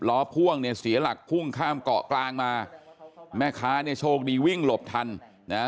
พ่วงเนี่ยเสียหลักพุ่งข้ามเกาะกลางมาแม่ค้าเนี่ยโชคดีวิ่งหลบทันนะฮะ